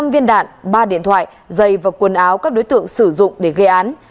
năm viên đạn ba điện thoại dây và quần áo các đối tượng sử dụng để gây án